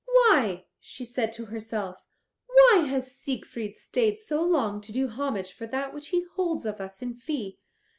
"Why," she said to herself, "why has Siegfried stayed so long to do homage for that which he holds of us in fee?